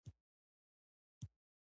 • ژړا د احساساتو د شدت پایله وي.